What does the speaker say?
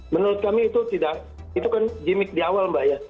menurut kami itu tidak itu kan gimmick di awal mbak ya